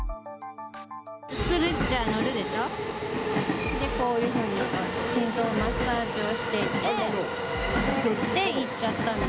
ストレッチャーに乗るでしょ、で、こういうふうに心臓マッサージをしていて、で、行っちゃった。